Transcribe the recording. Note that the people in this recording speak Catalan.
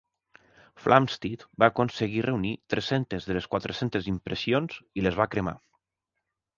Flamsteed va aconseguir reunir tres-centes de les quatre-centes impressions i les va cremar.